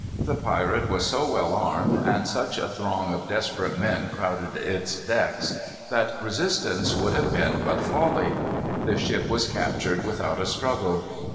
The pirate was so well armed, and such a throng of desperate men crowded its decks, that resistance would have been but folly. The ship was captured without a struggle.